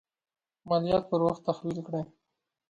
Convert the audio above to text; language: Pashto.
مالیات پر وخت تحویل کړي.